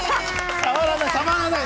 触らない！